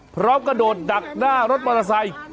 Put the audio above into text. กระโดดดักหน้ารถมอเตอร์ไซค์